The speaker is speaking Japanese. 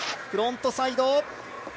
フロントサイド５４０。